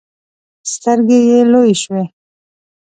سترګې يې لویې شوې.